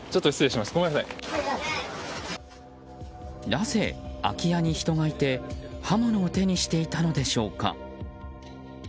なぜ、空き家に人がいて刃物を手にしていたのでしょうか。